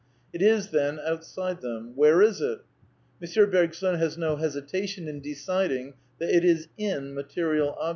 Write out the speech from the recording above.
It is, then, outside them. Where is it ?" M. Bergson has no hesitation in deciding that it is " in " material objects.